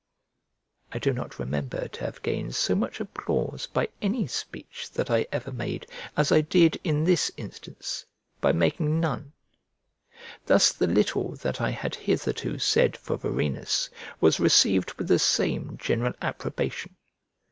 I do not remember to have gained so much applause by any speech that I ever made as I did in this instance by making none. Thus the little that I had hitherto said for Varenus was received with the same general approbation.